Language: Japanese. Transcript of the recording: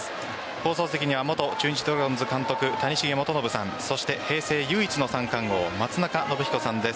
放送席には元中日ドラゴンズ監督谷繁元信さんそして平成唯一の三冠王松中信彦さんです。